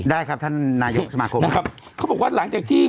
ได้ครับท่านนายกสมาคมครับเขาบอกว่าหลังจากที่